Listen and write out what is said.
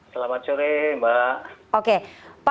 selamat sore mbak